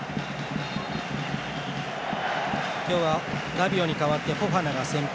今日はラビオに代わってフォファナが先発。